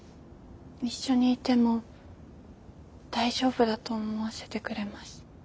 一緒にいても大丈夫だと思わせてくれます。